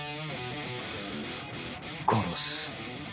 殺す